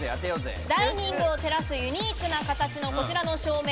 ダイニングを照らすユニークな形のこちらの照明。